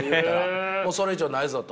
もうそれ以上ないぞと。